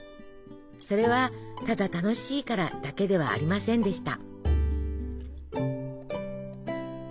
それはただ楽しいからだけではありませんでした。